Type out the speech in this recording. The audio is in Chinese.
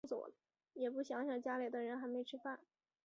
也不想想家里的人还没吃饭